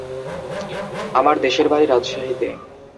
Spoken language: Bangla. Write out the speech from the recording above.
আমার দেশের বাড়ি রাজশাহীতে।